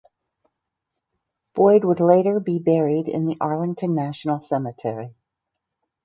Boyd would later be buried in the Arlington National Cemetery.